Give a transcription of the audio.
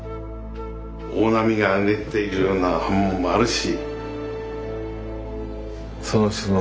大波がうねっているような刃文もあるし。